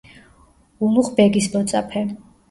ულუღ ბეგის მოწაფე.